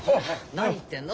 何言ってんの？